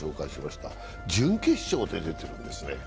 準決勝で出ているんですね。